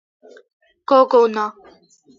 გოგონა